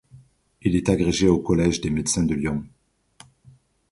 Il est agrégé au Collège des Médecins de Lyon.